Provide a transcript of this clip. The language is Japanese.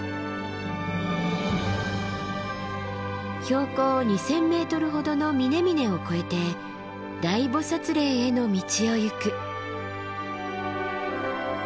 標高２，０００ｍほどの峰々を越えて大菩嶺への道を行く。